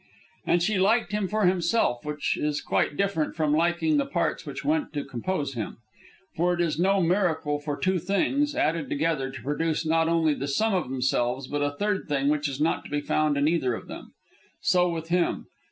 And she liked him for himself, which is quite different from liking the parts which went to compose him. For it is no miracle for two things, added together, to produce not only the sum of themselves, but a third thing which is not to be found in either of them. So with him.